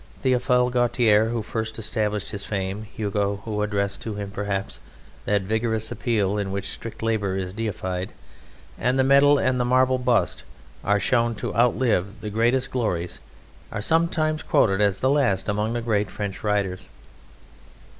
Théophile Gautier, who first established his fame; Hugo, who addressed to him, perhaps, that vigorous appeal in which strict labour is deified, and the medal and the marble bust are shown to outlive the greatest glories, are sometimes quoted as the last among the great French writers.